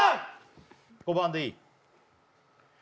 ５番でいい？